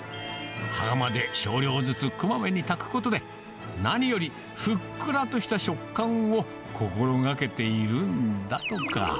羽釜で少量ずつ、こまめに炊くことで、何よりふっくらとした食感を心がけているんだとか。